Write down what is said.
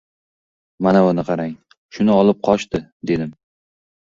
— Manavini qarang, shuni olib qochdi! — dedim.